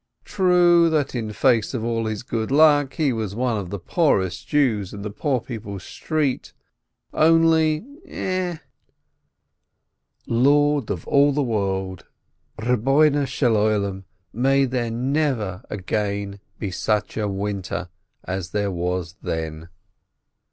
True, that in face of all his good luck he was one of the poorest Jews in the Poor People's Street, only V Lord of the World, may there never again be such a winter as there was then